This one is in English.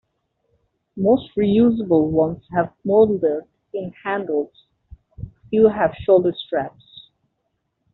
Most reusable ones have molded-in handles; a few have shoulder straps.